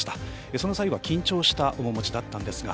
その際は緊張した面持ちだったんですが。